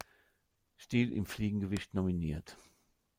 Stil im Fliegengewicht nominiert.